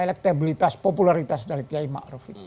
elektabilitas popularitas dari kiai ma'ruf itu